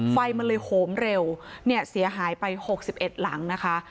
ไฟมันเลยโหมเร็วเนี่ยเสียหายไป๖๑หลังนะคะ